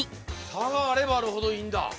差があればあるほどいいんだ。